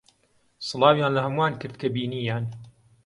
سڵاویان لە ھەمووان کرد کە بینییان.